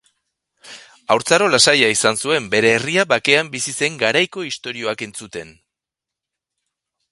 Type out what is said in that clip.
Haurtzaro lasaia izan zuen, bere herria bakean bizi zen garaiko istorioak entzuten.